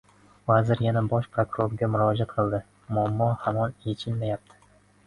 Vazir yana Bosh prokurorga murojaat qildi, muammo hamon yechilmayapti